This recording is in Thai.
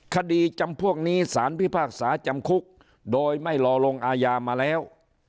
จำพวกนี้สารพิพากษาจำคุกโดยไม่รอลงอาญามาแล้ว